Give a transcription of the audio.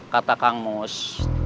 kata kang mus